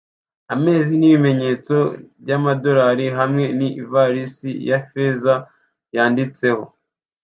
ameze nkibimenyetso byamadorari hamwe n ivarisi ya feza yanditseho